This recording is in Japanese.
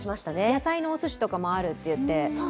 野菜のおすしとかもあるとかっていって。